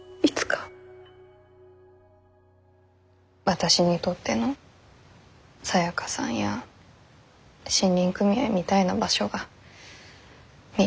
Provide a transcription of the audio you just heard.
私にとってのサヤカさんや森林組合みたいな場所がみー